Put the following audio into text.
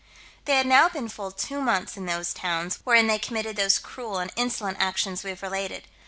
They had now been full two months in those towns, wherein they committed those cruel and insolent actions we have related.